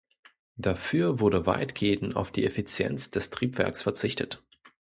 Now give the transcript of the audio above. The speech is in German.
Dafür wurde weitgehend auf die Effizienz des Triebwerks verzichtet.